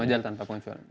majer tanpa pengecualian